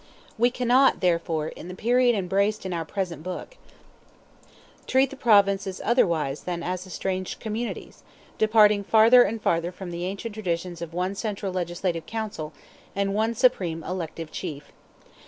We cannot, therefore, in the period embraced in our present book, treat the Provinces otherwise than as estranged communities, departing farther and farther from the ancient traditions of one central legislative council and one supreme elective chief.